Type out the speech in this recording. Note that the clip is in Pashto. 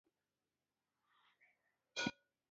ایا ماشوم مو ارام دی؟